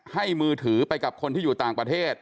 มือถือไปกับคนที่อยู่ต่างประเทศ